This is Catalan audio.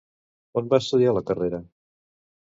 On va estudiar la carrera?